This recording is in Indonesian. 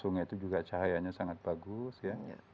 sungai itu juga cahayanya sangat bagus ya